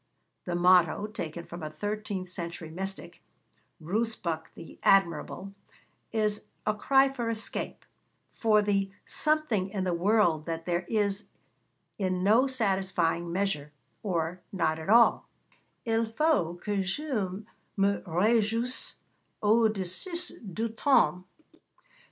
The motto, taken from a thirteenth century mystic, Rusbroeck the Admirable, is a cry for escape, for the 'something in the world that is there in no satisfying measure, or not at all': _Il faut que je me réjouisse au dessus du temps